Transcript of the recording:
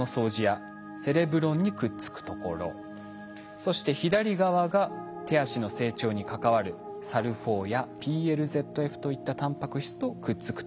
そして左側が手足の成長に関わるＳＡＬＬ４やＰＬＺＦといったタンパク質とくっつくところ。